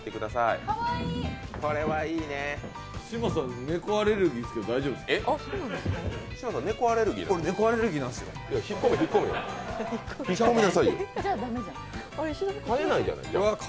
嶋佐猫アレルギーですけど大丈夫ですか？